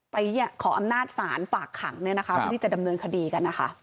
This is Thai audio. ขออำนาจศาลฝากขังเพื่อที่จะดำเนินคดีกันนะคะ